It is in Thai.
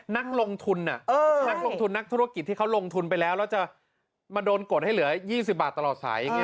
นักลงทุนนักธุรกิจที่เขาลงทุนไปแล้วแล้วจะมาโดนโกรธให้เหลือ๒๐บาทตลอดสาย